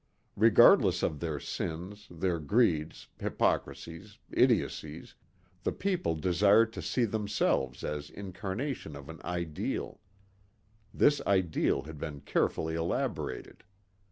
Regardless of their sins, their greeds, hypocrisies, idiocies, the people desired to see themselves as incarnations of an ideal. This ideal had been carefully elaborated.